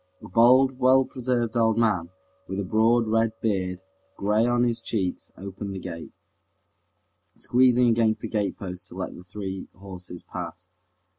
A bald, well preserved old man, with a broad, red beard, gray on his cheeks, opened the gate, squeezing against the gatepost to let the three horses pass.